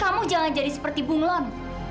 kamu jangan jadi seperti bunglon